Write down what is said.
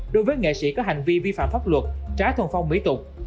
đối với nghệ sĩ có hành vi vi phạm pháp luật trái thuần phong mỹ tục